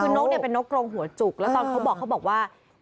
คือนกเนี่ยเป็นนกกรงหัวจุกแล้วตอนเขาบอกเขาบอกว่า